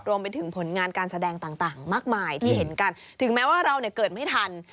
รวมไปถึงผลงานการแสดงต่างมากมายที่เห็นกันถึงแม้ว่าเราเกิดไม่ทัน